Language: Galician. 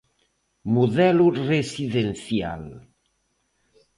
Modelo residencial.